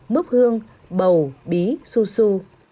mức hương bầu bí su su